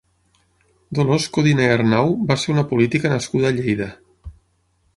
Dolors Codina i Arnau va ser una política nascuda a Lleida.